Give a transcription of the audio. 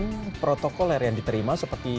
dan protokol yang diterima seperti